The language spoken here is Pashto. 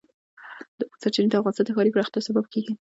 د اوبو سرچینې د افغانستان د ښاري پراختیا سبب کېږي.